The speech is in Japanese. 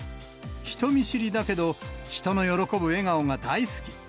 人見知りだけど、人の喜ぶ笑顔が大好き。